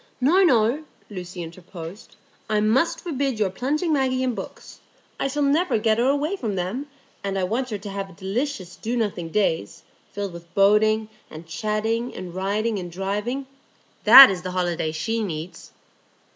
"No, no," Lucy interposed. "I must forbid your plunging Maggie in books. I shall never get her away from them; and I want her to have delicious do nothing days, filled with boating and chatting and riding and driving; that is the holiday she needs."